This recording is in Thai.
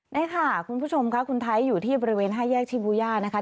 นี่ค่ะคุณผู้ชมค่ะคุณไทยอยู่ที่บริเวณ๕แยกชิบูย่านะคะ